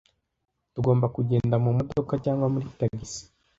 Tugomba kugenda mumodoka cyangwa muri tagisi?